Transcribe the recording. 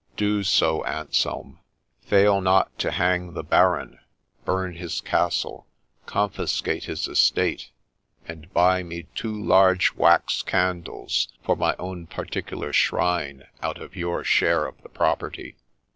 ' Do so, Anselm !— fail not to hang the baron, burn his castle, confiscate his estate, and buy me two large wax candles for my own particular shrine out of your share of the property.'